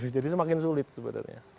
jadi semakin sulit sebenarnya